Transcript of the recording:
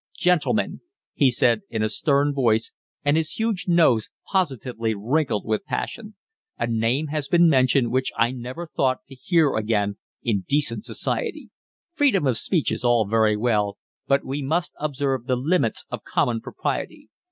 "Gentlemen," he said in a stern voice, and his huge nose positively wrinkled with passion, "a name has been mentioned which I never thought to hear again in decent society. Freedom of speech is all very well, but we must observe the limits of common propriety.